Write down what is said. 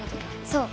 そう。